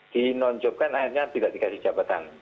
dinonjopkan akhirnya tidak dikasih jabatan